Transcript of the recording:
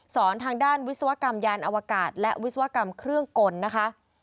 ทางด้านวิศวกรรมยานอวกาศและวิศวกรรมเครื่องกลนะคะ